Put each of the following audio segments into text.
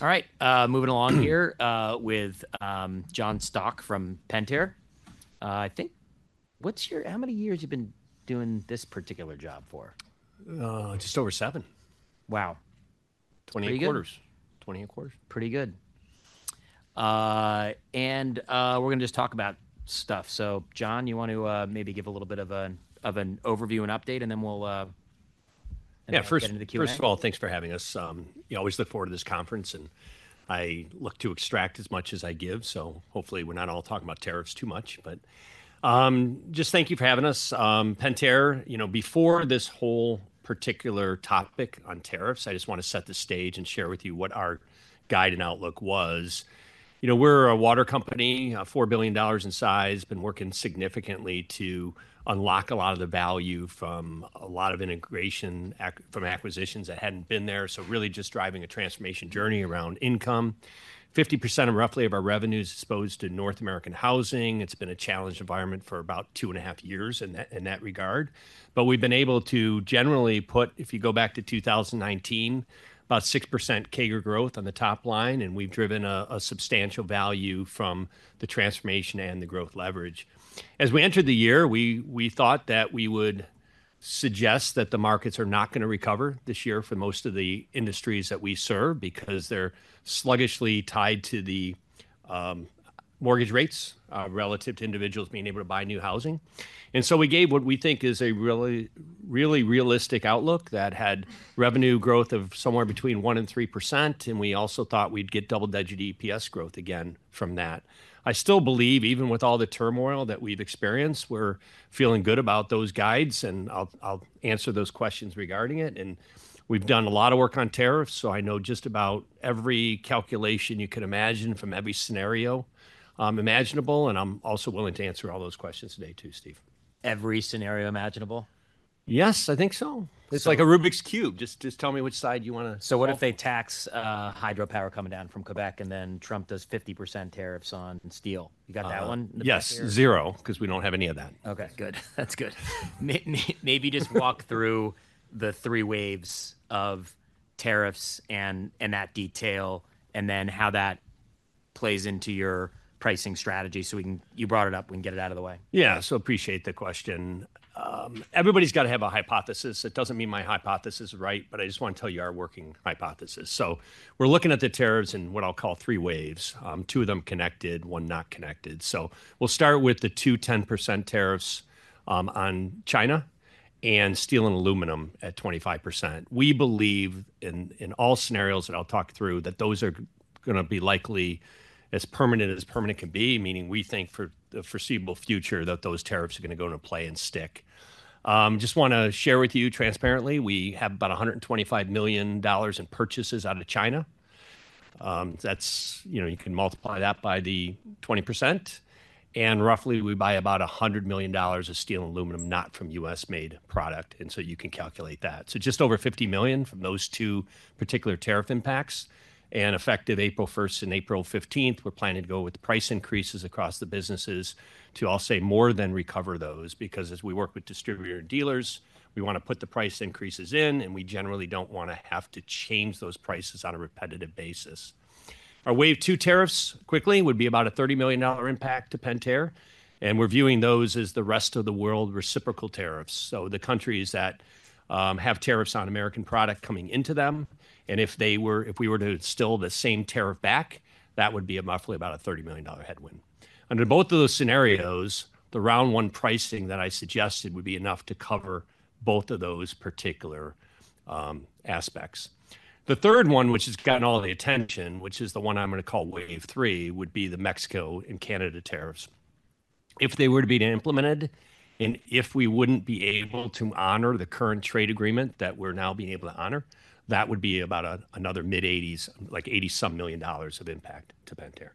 Great. All right, moving along here with John Stauch from Pentair. I think, what's your—how many years you've been doing this particular job for? Just over seven. Wow. 20 and a quarters. Twenty and a quarters. Pretty good. We are going to just talk about stuff. John, you want to maybe give a little bit of an overview and update, and then we will— Yeah, first of all, thanks for having us. You always look forward to this conference, and I look to extract as much as I give. Hopefully we're not all talking about tariffs too much, but just thank you for having us. Pentair, you know, before this whole particular topic on tariffs, I just want to set the stage and share with you what our guide and outlook was. You know, we're a water company, $4 billion in size, been working significantly to unlock a lot of the value from a lot of integration from acquisitions that hadn't been there. Really just driving a transformation journey around income. 50% roughly of our revenue is exposed to North American housing. It's been a challenged environment for about two and a half years in that regard. We have been able to generally put, if you go back to 2019, about 6% CAGR growth on the top line, and we have driven substantial value from the transformation and the growth leverage. As we entered the year, we thought that we would suggest that the markets are not going to recover this year for most of the industries that we serve because they are sluggishly tied to the mortgage rates relative to individuals being able to buy new housing. We gave what we think is a really, really realistic outlook that had revenue growth of somewhere between 1% and 3%. We also thought we would get double-digit EPS growth again from that. I still believe, even with all the turmoil that we have experienced, we are feeling good about those guides, and I will answer those questions regarding it. We've done a lot of work on tariffs, so I know just about every calculation you can imagine from every scenario imaginable. I'm also willing to answer all those questions today too, Steve. Every scenario imaginable. Yes, I think so. It's like a Rubik's cube. Just tell me which side you want to. What if they tax hydropower coming down from Quebec, and then Trump does 50% tariffs on steel? You got that one? Yes, zero, because we don't have any of that. Okay, good. That's good. Maybe just walk through the three waves of tariffs and that detail, and then how that plays into your pricing strategy so we can—you brought it up, we can get it out of the way. Yeah, so appreciate the question. Everybody's got to have a hypothesis. It doesn't mean my hypothesis is right, but I just want to tell you our working hypothesis. We're looking at the tariffs in what I'll call three waves, two of them connected, one not connected. We'll start with the two 10% tariffs on China and steel and aluminum at 25%. We believe in all scenarios that I'll talk through that those are going to be likely as permanent as permanent can be, meaning we think for the foreseeable future that those tariffs are going to go into play and stick. Just want to share with you transparently, we have about $125 million in purchases out of China. That's, you know, you can multiply that by the 20%. And roughly we buy about $100 million of steel and aluminum, not from U.S.-made product. You can calculate that. Just over $50 million from those two particular tariff impacts. Effective April 1 and April 15, we're planning to go with price increases across the businesses to, I'll say, more than recover those, because as we work with distributor dealers, we want to put the price increases in, and we generally don't want to have to change those prices on a repetitive basis. Our wave two tariffs quickly would be about a $30 million impact to Pentair, and we're viewing those as the rest of the world reciprocal tariffs. The countries that have tariffs on American product coming into them, and if we were to instill the same tariff back, that would be roughly about a $30 million headwind. Under both of those scenarios, the round one pricing that I suggested would be enough to cover both of those particular aspects. The third one, which has gotten all the attention, which is the one I'm going to call wave three, would be the Mexico and Canada tariffs. If they were to be implemented, and if we wouldn't be able to honor the current trade agreement that we're now being able to honor, that would be about another mid-80s, like $80 some million of impact to Pentair.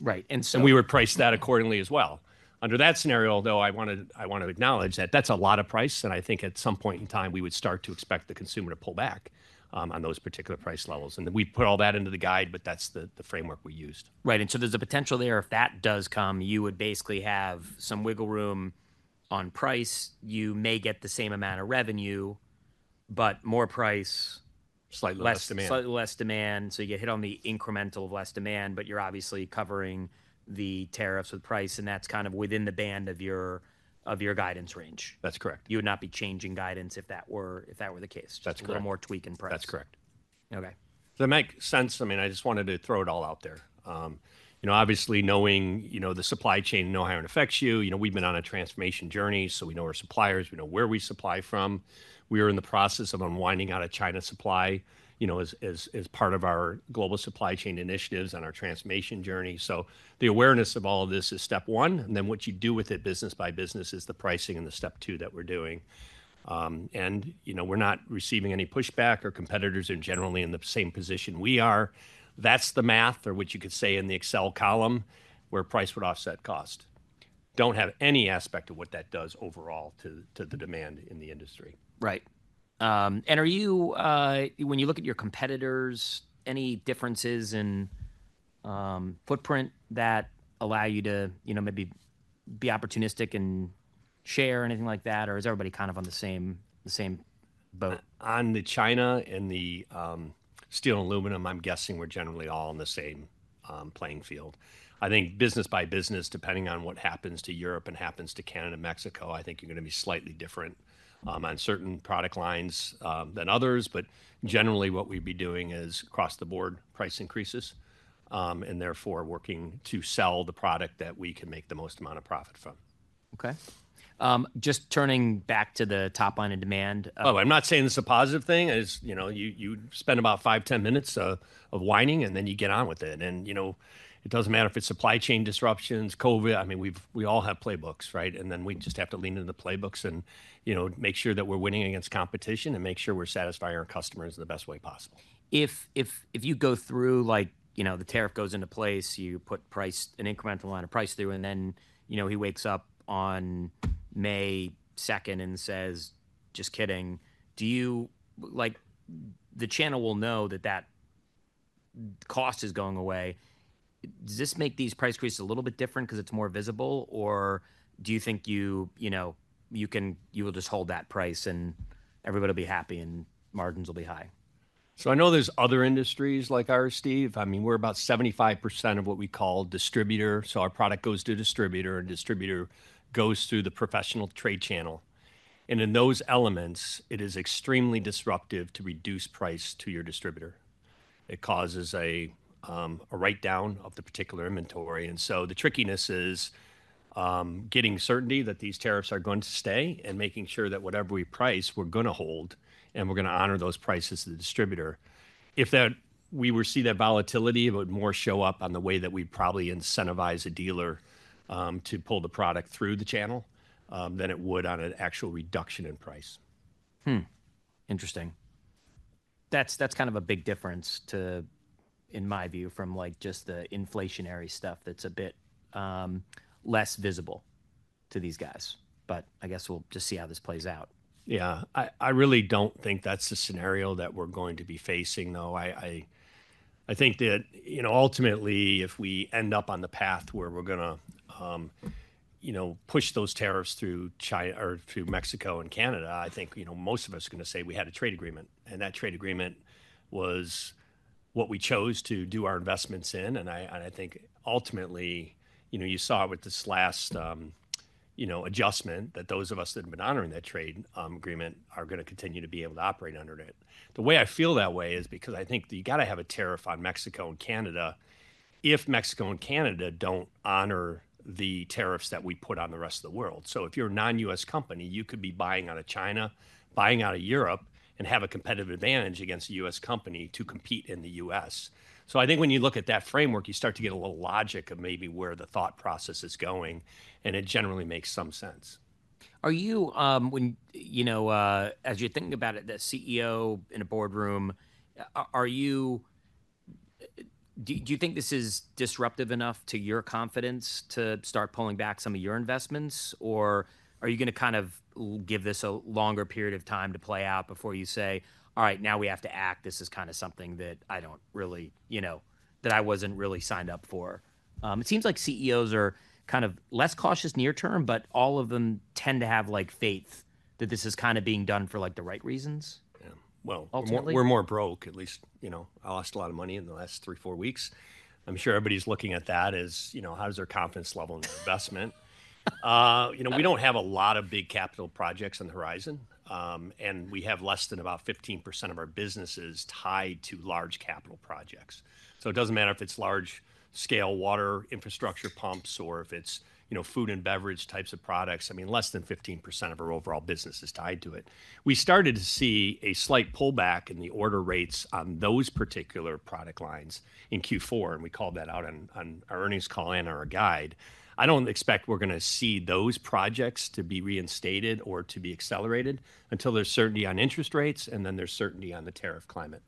Right. We would price that accordingly as well. Under that scenario, though, I want to acknowledge that that's a lot of price, and I think at some point in time we would start to expect the consumer to pull back on those particular price levels. We put all that into the guide, but that's the framework we used. Right. There is a potential there if that does come, you would basically have some wiggle room on price. You may get the same amount of revenue, but more price. Slightly less demand. Slightly less demand. You hit on the incremental of less demand, but you're obviously covering the tariffs with price, and that's kind of within the band of your guidance range. That's correct. You would not be changing guidance if that were the case. That's correct. A more tweak in price. That's correct. Okay. Does that make sense? I mean, I just wanted to throw it all out there. You know, obviously knowing, you know, the supply chain, know how it affects you. You know, we've been on a transformation journey, so we know our suppliers, we know where we supply from. We are in the process of unwinding out of China supply, you know, as part of our global supply chain initiatives on our transformation journey. The awareness of all of this is step one, and then what you do with it business by business is the pricing in the step two that we're doing. You know, we're not receiving any pushback or competitors are generally in the same position we are. That's the math, or what you could say in the Excel column, where price would offset cost. Don't have any aspect of what that does overall to the demand in the industry. Right. Are you, when you look at your competitors, any differences in footprint that allow you to, you know, maybe be opportunistic and share anything like that, or is everybody kind of on the same boat? On the China and the steel and aluminum, I'm guessing we're generally all on the same playing field. I think business by business, depending on what happens to Europe and happens to Canada and Mexico, I think you're going to be slightly different on certain product lines than others. Generally what we'd be doing is across the board price increases, and therefore working to sell the product that we can make the most amount of profit from. Okay. Just turning back to the top line and demand. I'm not saying this is a positive thing. You know, you spend about five, ten minutes of whining, and then you get on with it. You know, it doesn't matter if it's supply chain disruptions, COVID. I mean, we all have playbooks, right? You just have to lean into the playbooks and, you know, make sure that we're winning against competition and make sure we're satisfying our customers the best way possible. If you go through, like, you know, the tariff goes into place, you put price, an incremental line of price through, and then, you know, he wakes up on May 2nd and says, just kidding, do you, like, the channel will know that that cost is going away. Does this make these price creates a little bit different because it's more visible, or do you think you, you know, you can, you will just hold that price and everybody will be happy and margins will be high? I know there's other industries like ours, Steve. I mean, we're about 75% of what we call distributor. So our product goes to a distributor, and distributor goes through the professional trade channel. In those elements, it is extremely disruptive to reduce price to your distributor. It causes a write-down of the particular inventory. The trickiness is getting certainty that these tariffs are going to stay and making sure that whatever we price, we're going to hold and we're going to honor those prices to the distributor. If we were to see that volatility, it would more show up on the way that we probably incentivize a dealer to pull the product through the channel than it would on an actual reduction in price. Interesting. That's kind of a big difference to, in my view, from like just the inflationary stuff that's a bit less visible to these guys. I guess we'll just see how this plays out. Yeah, I really don't think that's the scenario that we're going to be facing, though. I think that, you know, ultimately, if we end up on the path where we're going to, you know, push those tariffs through China or through Mexico and Canada, I think, you know, most of us are going to say we had a trade agreement, and that trade agreement was what we chose to do our investments in. I think ultimately, you know, you saw it with this last, you know, adjustment that those of us that have been honoring that trade agreement are going to continue to be able to operate under it. The way I feel that way is because I think you got to have a tariff on Mexico and Canada if Mexico and Canada don't honor the tariffs that we put on the rest of the world. If you're a non-U.S. company, you could be buying out of China, buying out of Europe, and have a competitive advantage against a U.S. company to compete in the U.S. I think when you look at that framework, you start to get a little logic of maybe where the thought process is going, and it generally makes some sense. Are you, when, you know, as you're thinking about it, the CEO in a boardroom, are you, do you think this is disruptive enough to your confidence to start pulling back some of your investments, or are you going to kind of give this a longer period of time to play out before you say, all right, now we have to act, this is kind of something that I don't really, you know, that I wasn't really signed up for? It seems like CEOs are kind of less cautious near term, but all of them tend to have like faith that this is kind of being done for like the right reasons. Yeah. We're more broke, at least, you know, I lost a lot of money in the last three, four weeks. I'm sure everybody's looking at that as, you know, how's their confidence level in their investment. You know, we don't have a lot of big capital projects on the horizon, and we have less than about 15% of our businesses tied to large capital projects. It doesn't matter if it's large scale water infrastructure pumps or if it's, you know, food and beverage types of products. I mean, less than 15% of our overall business is tied to it. We started to see a slight pullback in the order rates on those particular product lines in Q4, and we called that out on our earnings call and our guide. I don't expect we're going to see those projects to be reinstated or to be accelerated until there's certainty on interest rates and then there's certainty on the tariff climate.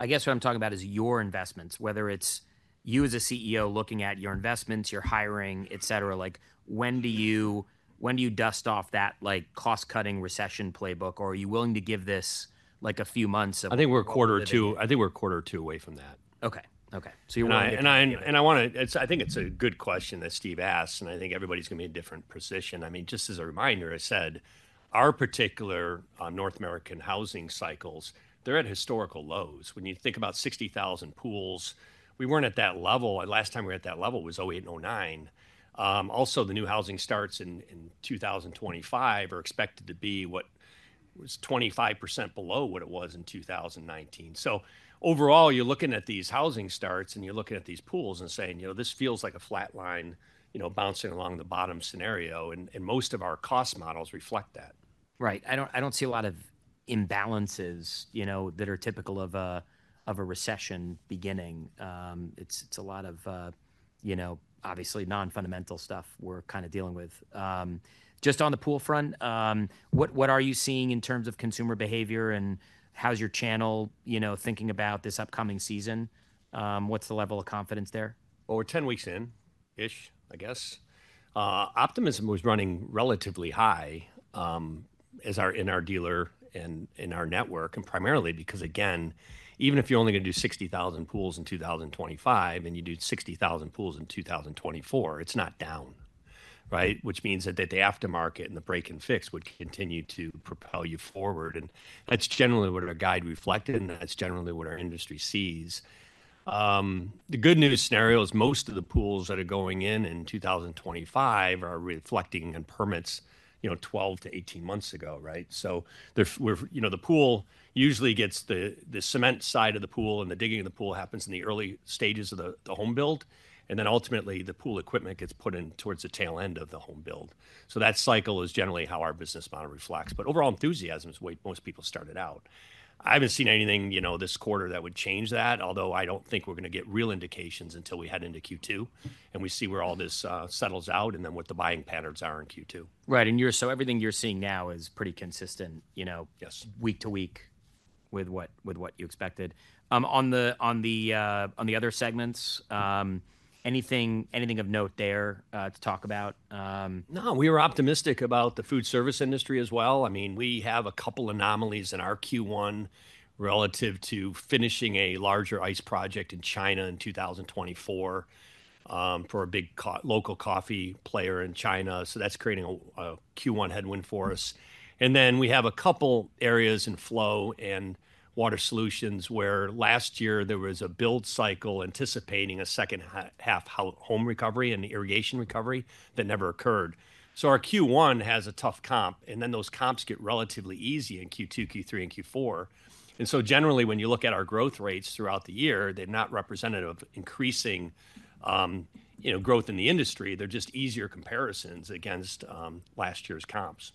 I guess what I'm talking about is your investments, whether it's you as a CEO looking at your investments, your hiring, et cetera. Like when do you, when do you dust off that like cost-cutting recession playbook, or are you willing to give this like a few months of? I think we're a quarter or two away from that. Okay. Okay. You want to. I want to, I think it's a good question that Steve asked, and I think everybody's going to be in a different position. I mean, just as a reminder, I said our particular North American housing cycles, they're at historical lows. When you think about 60,000 pools, we weren't at that level. Last time we were at that level was 2008 and 2009. Also, the new housing starts in 2025 are expected to be what was 25% below what it was in 2019. Overall, you're looking at these housing starts and you're looking at these pools and saying, you know, this feels like a flat line, you know, bouncing along the bottom scenario, and most of our cost models reflect that. Right. I don't see a lot of imbalances, you know, that are typical of a recession beginning. It's a lot of, you know, obviously non-fundamental stuff we're kind of dealing with. Just on the pool front, what are you seeing in terms of consumer behavior and how's your channel, you know, thinking about this upcoming season? What's the level of confidence there? We're 10 weeks in-ish, I guess. Optimism was running relatively high in our dealer and in our network, primarily because, again, even if you're only going to do 60,000 pools in 2025 and you do 60,000 pools in 2024, it's not down, right? Which means that the aftermarket and the break and fix would continue to propel you forward. That's generally what our guide reflected, and that's generally what our industry sees. The good news scenario is most of the pools that are going in in 2025 are reflecting in permits, you know, 12 to 18 months ago, right? The pool usually gets the cement side of the pool, and the digging of the pool happens in the early stages of the home build. Ultimately, the pool equipment gets put in towards the tail end of the home build. That cycle is generally how our business model reflects. Overall enthusiasm is what most people started out. I haven't seen anything, you know, this quarter that would change that, although I don't think we're going to get real indications until we head into Q2 and we see where all this settles out and then what the buying patterns are in Q2. Right. And you're, so everything you're seeing now is pretty consistent, you know, week to week with what you expected. On the other segments, anything of note there to talk about? No, we were optimistic about the food service industry as well. I mean, we have a couple anomalies in our Q1 relative to finishing a larger ice project in China in 2024 for a big local coffee player in China. That is creating a Q1 headwind for us. We have a couple areas in flow and water solutions where last year there was a build cycle anticipating a second half home recovery and irrigation recovery that never occurred. Our Q1 has a tough comp, and those comps get relatively easy in Q2, Q3, and Q4. Generally, when you look at our growth rates throughout the year, they are not representative of increasing, you know, growth in the industry. They are just easier comparisons against last year's comps.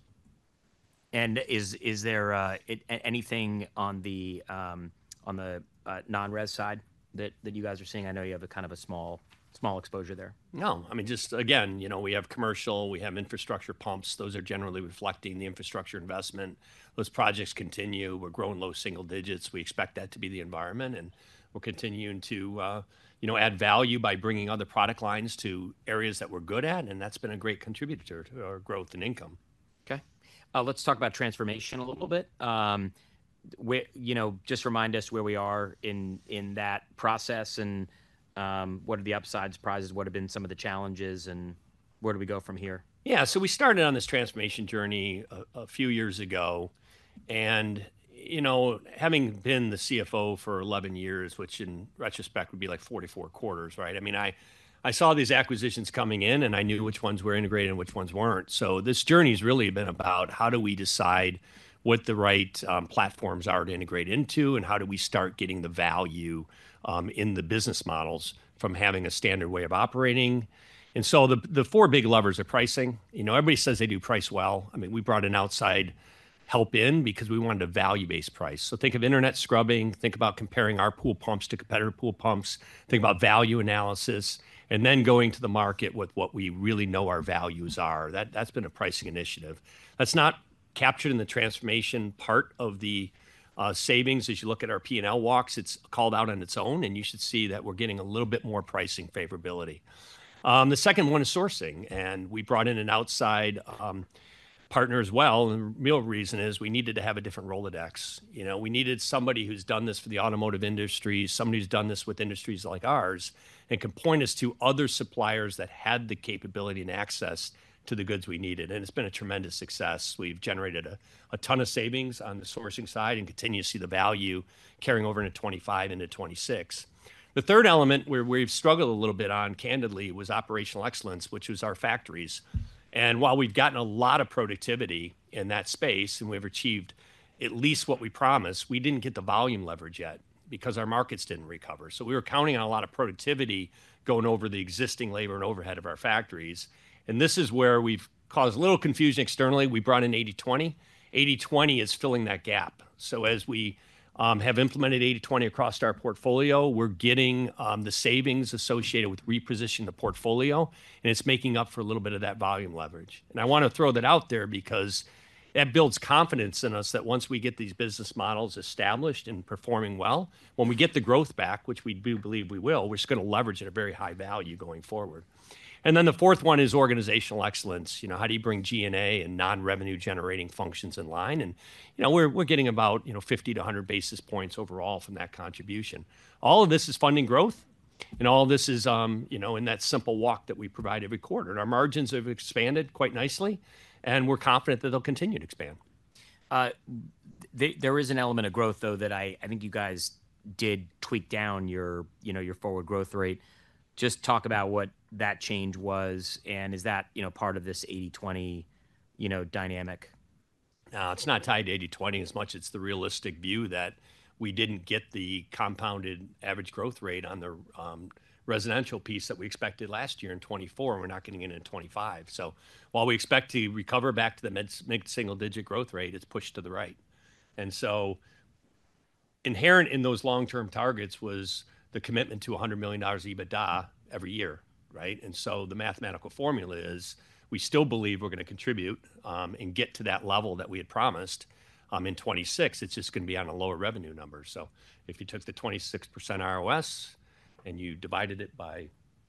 Is there anything on the non-res side that you guys are seeing? I know you have a kind of a small exposure there. No, I mean, just again, you know, we have commercial, we have infrastructure pumps. Those are generally reflecting the infrastructure investment. Those projects continue. We're growing low single digits. We expect that to be the environment, and we're continuing to, you know, add value by bringing other product lines to areas that we're good at, and that's been a great contributor to our growth and income. Okay. Let's talk about transformation a little bit. You know, just remind us where we are in that process and what are the upsides, surprises, what have been some of the challenges, and where do we go from here? Yeah, so we started on this transformation journey a few years ago. You know, having been the CFO for 11 years, which in retrospect would be like 44 quarters, right? I mean, I saw these acquisitions coming in, and I knew which ones were integrated and which ones were not. This journey has really been about how do we decide what the right platforms are to integrate into and how do we start getting the value in the business models from having a standard way of operating. The four big levers are pricing. You know, everybody says they do price well. I mean, we brought in outside help because we wanted a value-based price. Think of internet scrubbing, think about comparing our pool pumps to competitor pool pumps, think about value analysis, and then going to the market with what we really know our values are. That's been a pricing initiative. That's not captured in the transformation part of the savings. As you look at our P&L walks, it's called out on its own, and you should see that we're getting a little bit more pricing favorability. The second one is sourcing, and we brought in an outside partner as well. The real reason is we needed to have a different Rolodex. You know, we needed somebody who's done this for the automotive industry, somebody who's done this with industries like ours, and can point us to other suppliers that had the capability and access to the goods we needed. It's been a tremendous success. We've generated a ton of savings on the sourcing side and continue to see the value carrying over into 2025 and into 2026. The third element where we've struggled a little bit on, candidly, was operational excellence, which was our factories. While we've gotten a lot of productivity in that space and we've achieved at least what we promised, we didn't get the volume leverage yet because our markets didn't recover. We were counting on a lot of productivity going over the existing labor and overhead of our factories. This is where we've caused a little confusion externally. We brought in 80/20. 80/20 is filling that gap. As we have implemented 80/20 across our portfolio, we're getting the savings associated with repositioning the portfolio, and it's making up for a little bit of that volume leverage. I want to throw that out there because that builds confidence in us that once we get these business models established and performing well, when we get the growth back, which we do believe we will, we're just going to leverage at a very high value going forward. The fourth one is organizational excellence. You know, how do you bring G&A and non-revenue generating functions in line? You know, we're getting about, you know, 50-100 basis points overall from that contribution. All of this is funding growth, and all of this is, you know, in that simple walk that we provide every quarter. Our margins have expanded quite nicely, and we're confident that they'll continue to expand. There is an element of growth, though, that I think you guys did tweak down your, you know, your forward growth rate. Just talk about what that change was, and is that, you know, part of this 80/20, you know, dynamic? It's not tied to 80/20 as much. It's the realistic view that we didn't get the compounded average growth rate on the residential piece that we expected last year in 2024, and we're not getting it in 2025. While we expect to recover back to the mid-single digit growth rate, it's pushed to the right. Inherent in those long-term targets was the commitment to $100 million EBITDA every year, right? The mathematical formula is we still believe we're going to contribute and get to that level that we had promised in 2026. It's just going to be on a lower revenue number. If you took the 26% ROS and you divided it by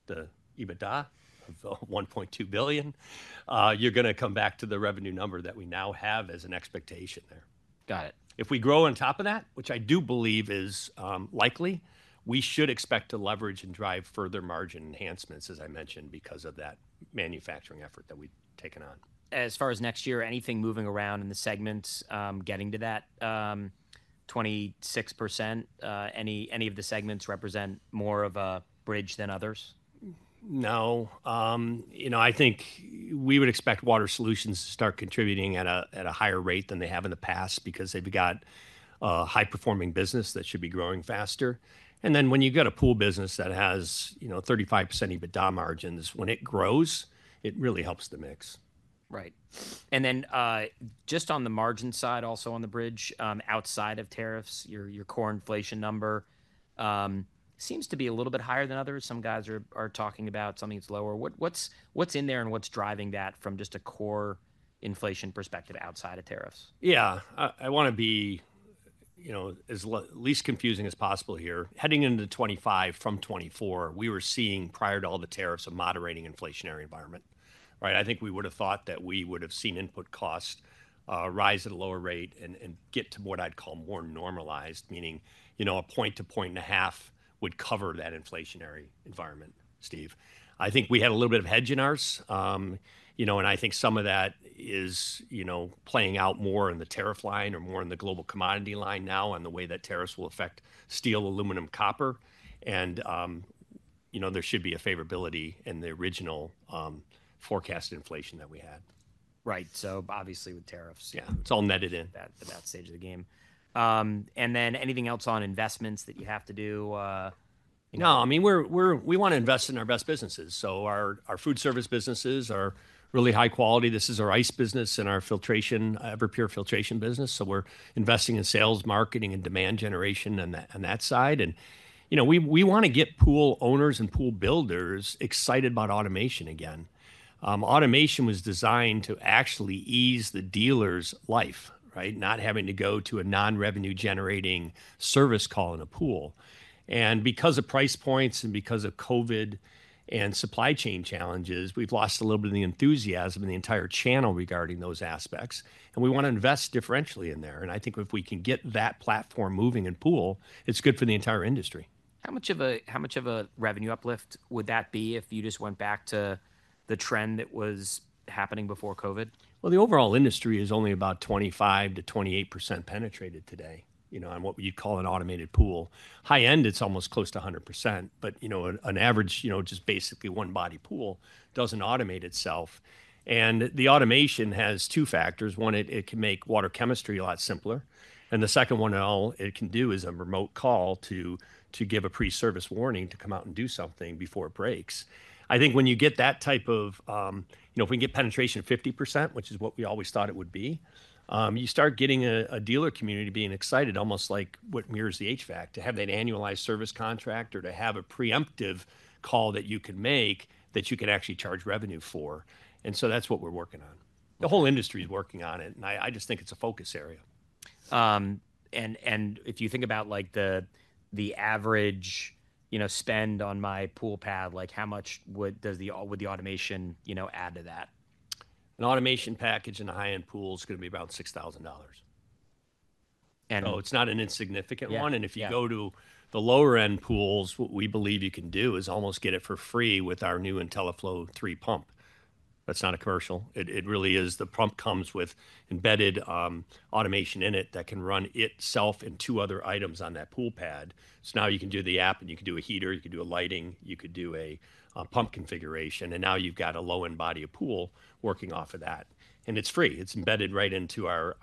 the EBITDA of $1.2 billion, you're going to come back to the revenue number that we now have as an expectation there. Got it. If we grow on top of that, which I do believe is likely, we should expect to leverage and drive further margin enhancements, as I mentioned, because of that manufacturing effort that we've taken on. As far as next year, anything moving around in the segments getting to that 26%? Any of the segments represent more of a bridge than others? No. You know, I think we would expect water solutions to start contributing at a higher rate than they have in the past because they've got a high-performing business that should be growing faster. And then when you've got a pool business that has, you know, 35% EBITDA margins, when it grows, it really helps the mix. Right. Just on the margin side, also on the bridge, outside of tariffs, your core inflation number seems to be a little bit higher than others. Some guys are talking about something that's lower. What's in there and what's driving that from just a core inflation perspective outside of tariffs? Yeah, I want to be, you know, as least confusing as possible here. Heading into 2025 from 2024, we were seeing prior to all the tariffs a moderating inflationary environment, right? I think we would have thought that we would have seen input costs rise at a lower rate and get to what I'd call more normalized, meaning, you know, a point to point and a half would cover that inflationary environment, Steve. I think we had a little bit of hedge in ours, you know, and I think some of that is, you know, playing out more in the tariff line or more in the global commodity line now and the way that tariffs will affect steel, aluminum, copper. You know, there should be a favorability in the original forecast inflation that we had. Right. So obviously with tariffs. Yeah, it's all netted in. At that stage of the game. Anything else on investments that you have to do? No, I mean, we want to invest in our best businesses. Our food service businesses are really high quality. This is our ice business and our Everpure filtration business. We are investing in sales, marketing, and demand generation on that side. You know, we want to get pool owners and pool builders excited about automation again. Automation was designed to actually ease the dealer's life, right? Not having to go to a non-revenue generating service call in a pool. Because of price points and because of COVID and supply chain challenges, we have lost a little bit of the enthusiasm in the entire channel regarding those aspects. We want to invest differentially in there. I think if we can get that platform moving in pool, it is good for the entire industry. How much of a revenue uplift would that be if you just went back to the trend that was happening before COVID? The overall industry is only about 25-28% penetrated today, you know, on what you'd call an automated pool. High-end, it's almost close to 100%, but, you know, an average, you know, just basically one-body pool doesn't automate itself. The automation has two factors. One, it can make water chemistry a lot simpler. The second one it can do is a remote call to give a pre-service warning to come out and do something before it breaks. I think when you get that type of, you know, if we can get penetration 50%, which is what we always thought it would be, you start getting a dealer community being excited, almost like what mirrors the HVAC, to have that annualized service contract or to have a preemptive call that you can make that you can actually charge revenue for. That is what we're working on. The whole industry is working on it, and I just think it's a focus area. If you think about like the average, you know, spend on my pool pad, like how much would the automation, you know, add to that? An automation package in a high-end pool is going to be about $6,000. It is not an insignificant one. If you go to the lower-end pools, what we believe you can do is almost get it for free with our new IntelliFlo 3 pump. That is not a commercial. It really is the pump comes with embedded automation in it that can run itself and two other items on that pool pad. You can do the app and you can do a heater, you can do a lighting, you could do a pump configuration, and now you have got a low-end body of pool working off of that. It is free. It is embedded right into our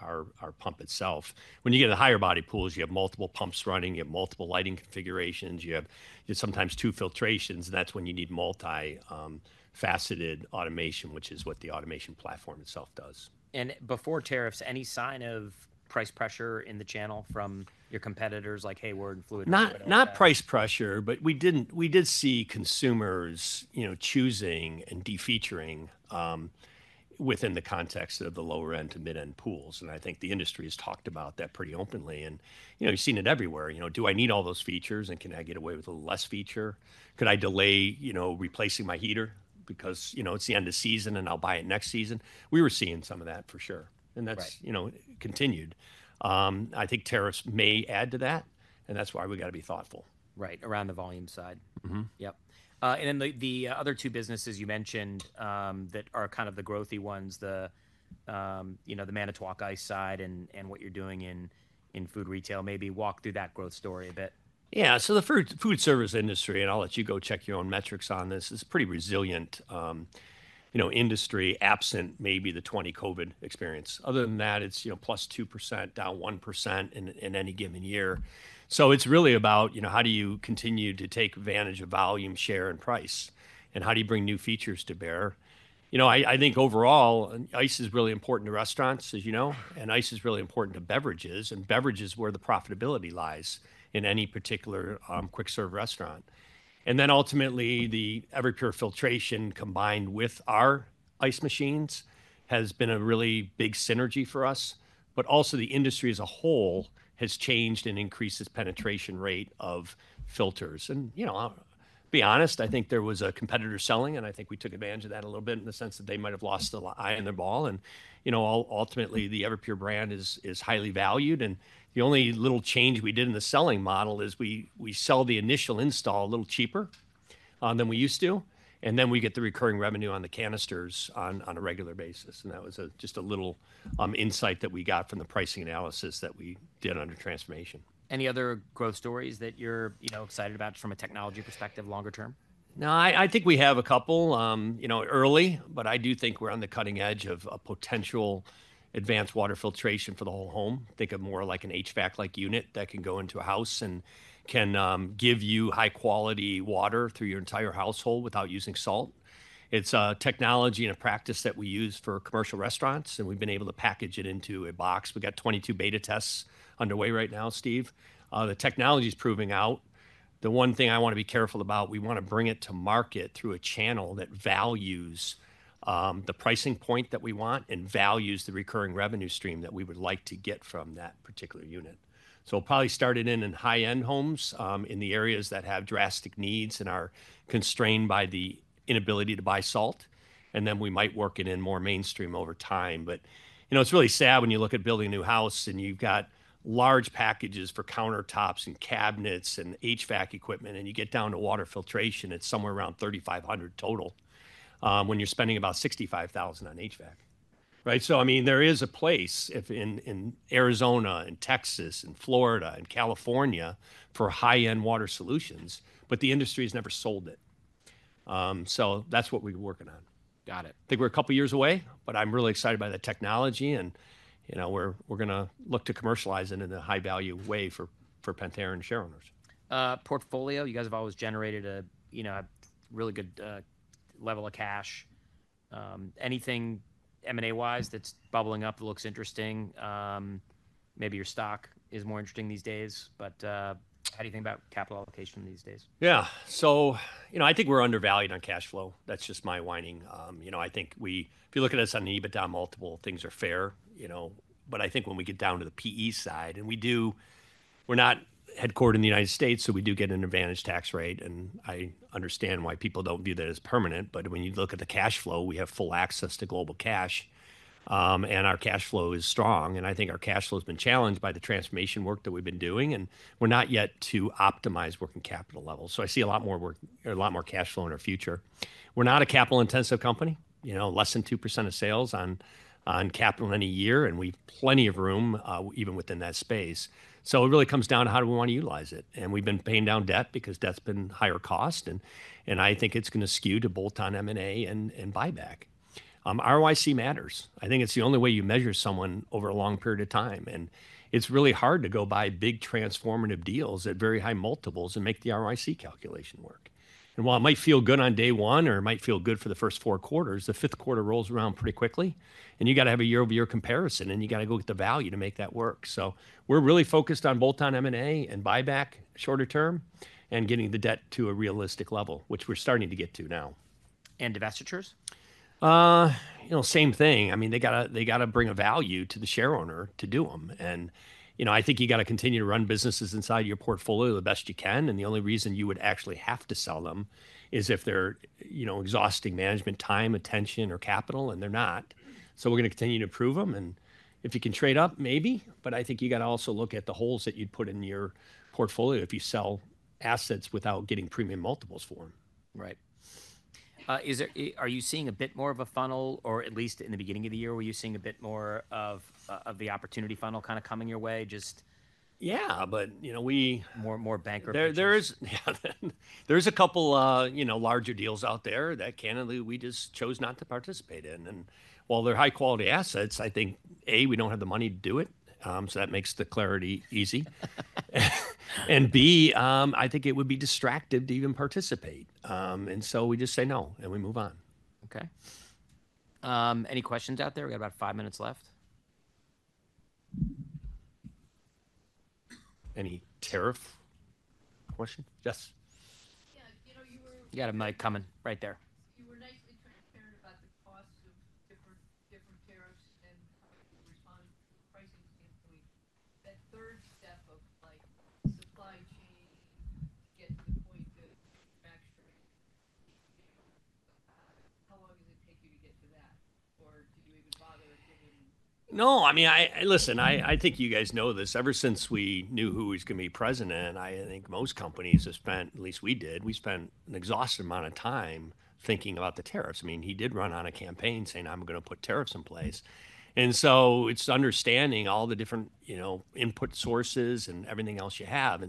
pump itself. When you get a higher-body pool, you have multiple pumps running, you have multiple lighting configurations, you have sometimes two filtrations, and that's when you need multi-faceted automation, which is what the automation platform itself does. Before tariffs, any sign of price pressure in the channel from your competitors like, "Hey, we're in fluid? Not price pressure, but we did see consumers, you know, choosing and defeaturing within the context of the lower-end to mid-end pools. I think the industry has talked about that pretty openly. You know, you've seen it everywhere. You know, do I need all those features and can I get away with a little less feature? Could I delay, you know, replacing my heater because, you know, it's the end of season and I'll buy it next season? We were seeing some of that for sure. That's, you know, continued. I think tariffs may add to that, and that's why we got to be thoughtful. Right, around the volume side. Yep. And then the other two businesses you mentioned that are kind of the growthy ones, the, you know, the Manitowoc Ice side and what you're doing in food retail, maybe walk through that growth story a bit. Yeah, so the food service industry, and I'll let you go check your own metrics on this, is a pretty resilient, you know, industry absent maybe the 2020 COVID experience. Other than that, it's, you know, plus 2%, down 1% in any given year. It's really about, you know, how do you continue to take advantage of volume share and price and how do you bring new features to bear? You know, I think overall, ice is really important to restaurants, as you know, and ice is really important to beverages, and beverages is where the profitability lies in any particular quick-serve restaurant. Ultimately, the Everpure filtration combined with our ice machines has been a really big synergy for us, but also the industry as a whole has changed and increased its penetration rate of filters. To be honest, I think there was a competitor selling, and I think we took advantage of that a little bit in the sense that they might have lost the eye on their ball. Ultimately, the Everpure brand is highly valued, and the only little change we did in the selling model is we sell the initial install a little cheaper than we used to, and then we get the recurring revenue on the canisters on a regular basis. That was just a little insight that we got from the pricing analysis that we did under transformation. Any other growth stories that you're, you know, excited about from a technology perspective longer term? No, I think we have a couple, you know, early, but I do think we're on the cutting edge of a potential advanced water filtration for the whole home. Think of more like an HVAC-like unit that can go into a house and can give you high-quality water through your entire household without using salt. It's a technology and a practice that we use for commercial restaurants, and we've been able to package it into a box. We've got 22 beta tests underway right now, Steve. The technology is proving out. The one thing I want to be careful about, we want to bring it to market through a channel that values the pricing point that we want and values the recurring revenue stream that we would like to get from that particular unit. We'll probably start it in high-end homes in the areas that have drastic needs and are constrained by the inability to buy salt. Then we might work it in more mainstream over time. You know, it's really sad when you look at building a new house and you've got large packages for countertops and cabinets and HVAC equipment, and you get down to water filtration, it's somewhere around $3,500 total when you're spending about $65,000 on HVAC. Right? I mean, there is a place in Arizona and Texas and Florida and California for high-end water solutions, but the industry has never sold it. That's what we're working on. Got it. I think we're a couple of years away, but I'm really excited by the technology and, you know, we're going to look to commercialize it in a high-value way for Pentair and share owners. Portfolio, you guys have always generated a, you know, really good level of cash. Anything M&A-wise that's bubbling up that looks interesting? Maybe your stock is more interesting these days, but how do you think about capital allocation these days? Yeah, so, you know, I think we're undervalued on cash flow. That's just my whining. You know, I think we, if you look at us on the EBITDA multiple, things are fair, you know, but I think when we get down to the PE side, and we do, we're not headquartered in the United States, so we do get an advantage tax rate, and I understand why people don't view that as permanent, but when you look at the cash flow, we have full access to global cash, and our cash flow is strong. I think our cash flow has been challenged by the transformation work that we've been doing, and we're not yet to optimize working capital levels. I see a lot more work, a lot more cash flow in our future. We're not a capital-intensive company, you know, less than 2% of sales on capital in a year, and we have plenty of room even within that space. It really comes down to how do we want to utilize it. We've been paying down debt because debt's been higher cost, and I think it's going to skew to bolt-on M&A and buyback. ROIC matters. I think it's the only way you measure someone over a long period of time, and it's really hard to go buy big transformative deals at very high multiples and make the ROIC calculation work. While it might feel good on day one or it might feel good for the first four quarters, the fifth quarter rolls around pretty quickly, and you got to have a year-over-year comparison, and you got to go get the value to make that work. We're really focused on bolt-on M&A and buyback shorter term and getting the debt to a realistic level, which we're starting to get to now. And divestitures? You know, same thing. I mean, they got to bring a value to the share owner to do them. You know, I think you got to continue to run businesses inside your portfolio the best you can, and the only reason you would actually have to sell them is if they're, you know, exhausting management time, attention, or capital, and they're not. We are going to continue to prove them, and if you can trade up, maybe, but I think you got to also look at the holes that you'd put in your portfolio if you sell assets without getting premium multiples for them. Right. Are you seeing a bit more of a funnel, or at least in the beginning of the year, were you seeing a bit more of the opportunity funnel kind of coming your way? Just. Yeah, you know, we. More bankruptcies? There's a couple, you know, larger deals out there that candidly we just chose not to participate in. While they're high-quality assets, I think, A, we don't have the money to do it, so that makes the clarity easy. B, I think it would be distracting to even participate. We just say no and we move on. Okay. Any questions out there? We got about five minutes left. Any tariff question? Yes. Yeah, you know, you were. You had a mic coming right there. You were nicely transparent about the cost of different tariffs and how you respond to pricing standpoint. That third step of like supply chain to get to the point of manufacturing, how long does it take you to get to that? Or do you even bother giving? No, I mean, listen, I think you guys know this. Ever since we knew who was going to be president, I think most companies have spent, at least we did, we spent an exhaustive amount of time thinking about the tariffs. I mean, he did run on a campaign saying, "I'm going to put tariffs in place." It is understanding all the different, you know, input sources and everything else you have.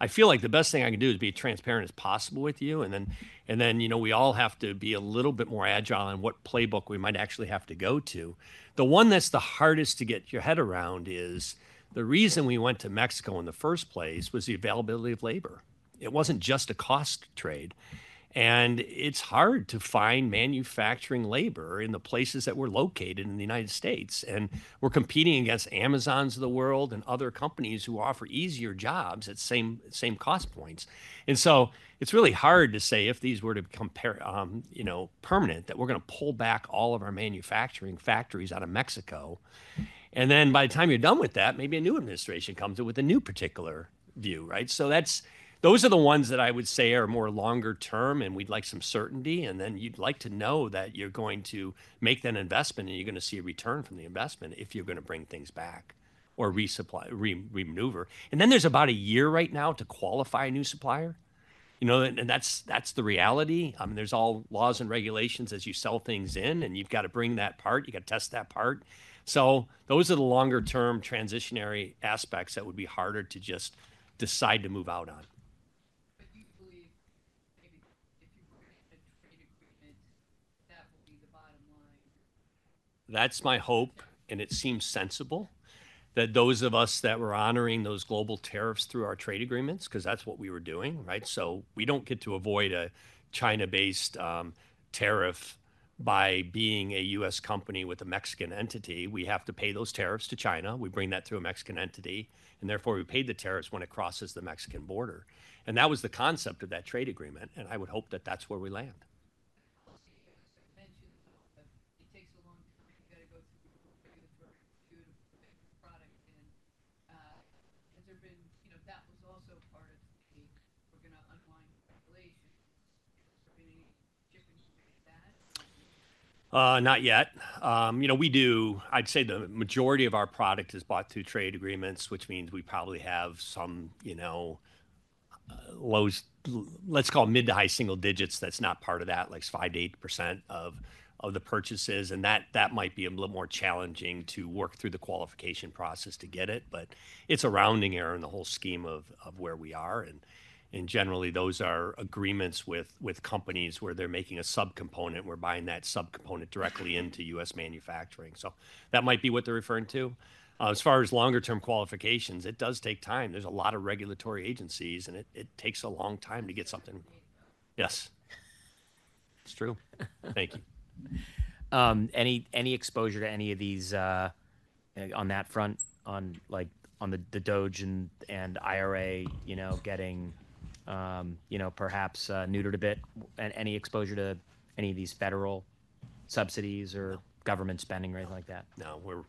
I feel like the best thing I can do is be as transparent as possible with you. You know, we all have to be a little bit more agile on what playbook we might actually have to go to. The one that's the hardest to get your head around is the reason we went to Mexico in the first place was the availability of labor. It was not just a cost trade. It's hard to find manufacturing labor in the places that we're located in the United States. We're competing against Amazon and other companies who offer easier jobs at the same cost points. It's really hard to say if these were to become, you know, permanent, that we're going to pull back all of our manufacturing factories out of Mexico. By the time you're done with that, maybe a new administration comes in with a new particular view, right? Those are the ones that I would say are more longer term and we'd like some certainty. You'd like to know that you're going to make that investment and you're going to see a return from the investment if you're going to bring things back or re-maneuver. There's about a year right now to qualify a new supplier. You know, and that's the reality. I mean, there's all laws and regulations as you sell things in and you've got to bring that part, you got to test that part. Those are the longer-term transitionary aspects that would be harder to just decide to move out on. You believe maybe if you were in trade agreement, that will be the bottom line. That's my hope, and it seems sensible that those of us that were honoring those global tariffs through our trade agreements, because that's what we were doing, right? We don't get to avoid a China-based tariff by being a U.S. company with a Mexican entity. We have to pay those tariffs to China. We bring that through a Mexican entity, and therefore we paid the tariffs when it crosses the Mexican border. That was the concept of that trade agreement, and I would hope that that's where we land. Steve, you mentioned it takes a long time. You got to go through a few different products. Has there been, you know, that was also part of the, we're going to unwind regulation. Has there been any shifting to that? Not yet. You know, we do, I'd say the majority of our product is bought through trade agreements, which means we probably have some, you know, lows, let's call it mid to high single digits. That's not part of that, like 5%-8% of the purchases. That might be a little more challenging to work through the qualification process to get it, but it's a rounding error in the whole scheme of where we are. Generally, those are agreements with companies where they're making a subcomponent. We're buying that subcomponent directly into U.S. manufacturing. That might be what they're referring to. As far as longer-term qualifications, it does take time. There's a lot of regulatory agencies, and it takes a long time to get something. Yes. It's true. Thank you. Any exposure to any of these on that front, on like on the DOGE and IRA, you know, getting, you know, perhaps neutered a bit? Any exposure to any of these federal subsidies or government spending or anything like that? No, we're,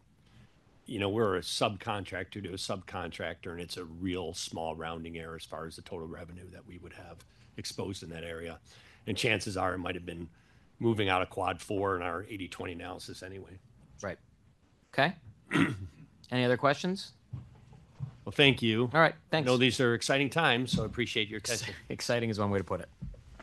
you know, we're a subcontractor to a subcontractor, and it's a real small rounding error as far as the total revenue that we would have exposed in that area. Chances are it might have been moving out of Quad 4 in our 80/20 analysis anyway. Right. Okay. Any other questions? Thank you. All right. Thanks. I know these are exciting times, so I appreciate your attention. Exciting is one way to put it.